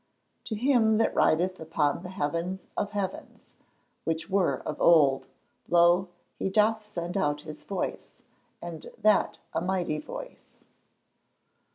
[Verse: "To him that rideth upon the heavens of heavens, which were of old; lo, he doth send out his voice, and that a mighty voice."